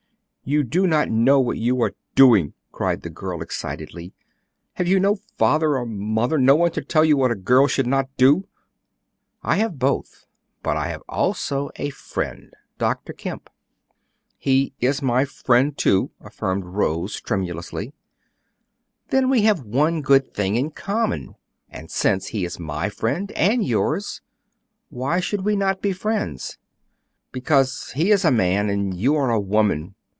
"You do not know what you are doing," cried the girl, excitedly; "have you no father or mother, no one to tell you what a girl should not do?" "I have both; but I have also a friend, Dr. Kemp." "He is my friend too," affirmed Rose, tremulously. "Then we have one good thing in common; and since he is my friend and yours, why should we not be friends?" "Because he is a man, and you are a woman.